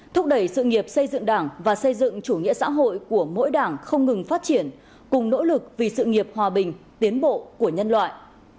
thúc đẩy sự nghiệp xây dựng đảng và xây dựng chủ nghĩa xã hội của mỗi đảng không ngừng phát triển cùng nỗ lực vì sự nghiệp hòa bình tiến bộ của nhân loại